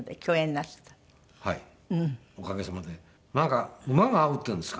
なんか馬が合うっていうんですか？